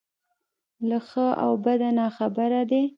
له ښه او بده ناخبره دی.